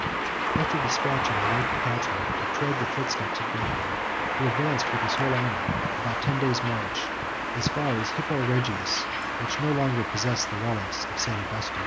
After despatching a light detachment to tread the footsteps of Gelimer, he advanced, with his whole army, about ten days' march, as far as Hippo Regius, which no longer possessed the relics of St. Augustin.